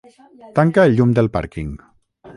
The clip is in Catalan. Tanca el llum del pàrquing.